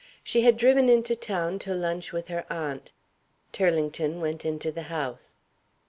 She had driven into town to lunch with her aunt. Turlington went into the house.